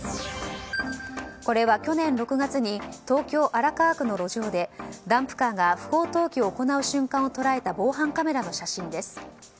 これは去年６月に東京・荒川区の路上でダンプカーが不法投棄を行う瞬間を捉えた防犯カメラの写真です。